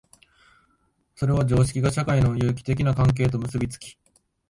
それは常識が社会の有機的な関係と結び付き、